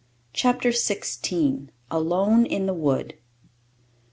CHAPTER XVI. ALONE IN THE WOOD.